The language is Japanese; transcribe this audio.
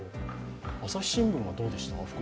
「朝日新聞」はどうでした？